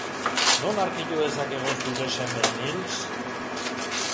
Non aurki dezakegu zure seme Nils?